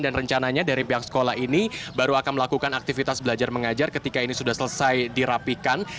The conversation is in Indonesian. dan rencananya dari pihak sekolah ini baru akan melakukan aktivitas belajar mengajar ketika ini sudah selesai dirapikan